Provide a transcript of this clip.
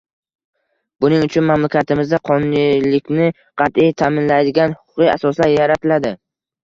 Buning uchun mamlakatimizda qonuniylikni qat’iy ta’minlaydigan huquqiy asoslar yaratiladi.